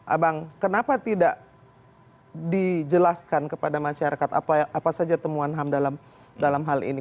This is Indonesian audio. abang kenapa tidak dijelaskan kepada masyarakat apa saja temuan ham dalam hal ini